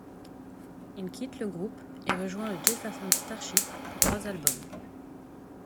Il quitte le groupe et rejoint le Jefferson Starship pour trois albums.